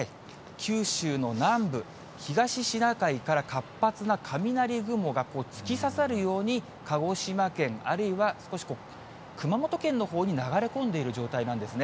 九州の南部、東シナ海から活発な雷雲が突き刺さるように、鹿児島県、あるいは少し熊本県のほうに流れ込んでいる状態なんですね。